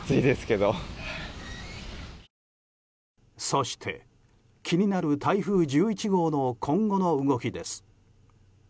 そして、気になる台風１１号の今後の動きです。